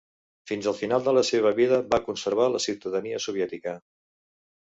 Fins al final de la seva vida va conservar la ciutadania soviètica.